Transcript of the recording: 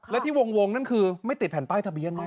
แล้วที่วงนั่นคือไม่ติดแผ่นป้ายทะเบียนไหม